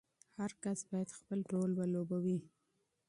هر فرد باید خپل رول ولوبوي.